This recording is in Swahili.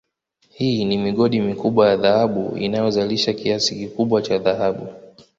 Hii ni migodi mikubwa ya dhahabu inayozalisha kiasi kikubwa cha dhahabu